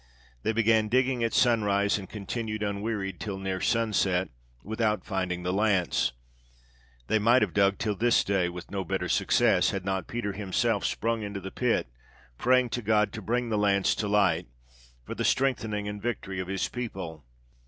They began digging at sunrise, and continued unwearied till near sunset, without finding the lance; they might have dug till this day with no better success, had not Peter himself sprung into the pit, praying to God to bring the lance to light, for the strengthening and victory of his people.